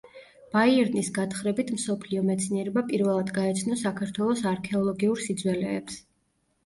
ბაიერნის გათხრებით მსოფლიო მეცნიერება პირველად გაეცნო საქართველოს არქეოლოგიურ სიძველეებს.